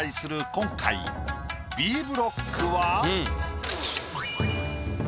今回Ｂブロックは。